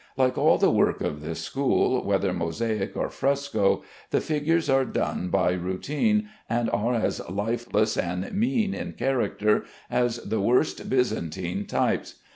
Like all the work of this school, whether mosaic or fresco, the figures are done by routine, and are as lifeless and mean in character as the worst Byzantine types.